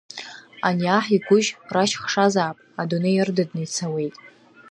Ани аҳ игәыжь рашьхшазаап адунеи ырдыдны ицауеит.